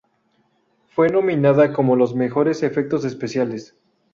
Fue nominada como los mejores efectos especiales.